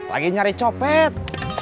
lagi nyari copet